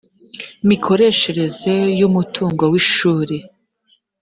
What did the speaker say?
mikoreshereze y umutungo w ishuri